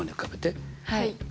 はい。